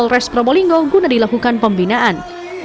polres probolinggo guna dilakukan pembinaan